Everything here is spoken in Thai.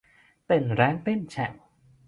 เต้นแร้งเต้นแฉ่ง